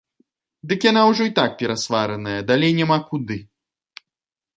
Дык яна ўжо і так перасвараная, далей няма куды.